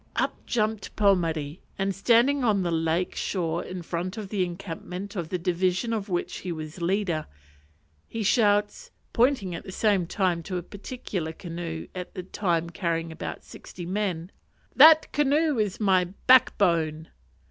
Up jumped Pomare, and standing on the lake shore in front of the encampment of the division of which he was leader, he shouts pointing at the same time to a particular canoe at the time carrying about sixty men "That canoe is my back bone."